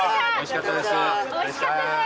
おいしかったです。